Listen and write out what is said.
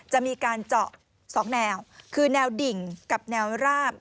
จะมีการเจาะ๒แนวคือแนวดิ่งกับแนวราบ